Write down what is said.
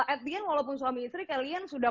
at the end walaupun suami istri kalian sudah